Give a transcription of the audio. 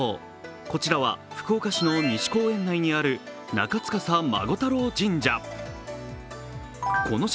こちらは福岡市の西公園内にある中司孫太郎神社。